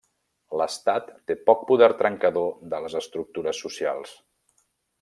L’estat té poc poder trencador de les estructures socials.